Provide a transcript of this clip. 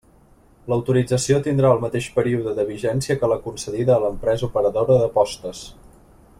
L'autorització tindrà el mateix període de vigència que la concedida a l'empresa operadora d'apostes.